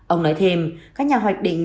ông nói thêm các nhà hoạch định